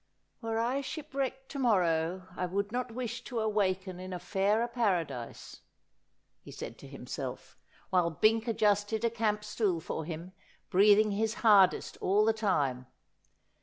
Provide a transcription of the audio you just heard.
' Were I shipwrecked to morrow I would not wish to awaken in a fairer paradise,' he said to himself, while Bink adjusted a camp stool for him, breathing his hardest all the time.